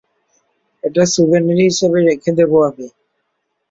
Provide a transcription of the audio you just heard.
এটা স্যুভেনির হিসেবে রেখে দেবো আমি।